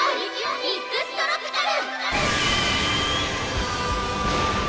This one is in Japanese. ミックストロピカル！